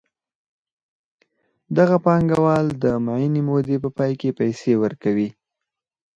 دغه پانګوال د معینې مودې په پای کې پیسې ورکوي